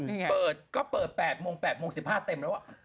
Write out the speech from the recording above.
เปิดก็เปิด๘โมง๘โมง๑๕เต็มแล้ว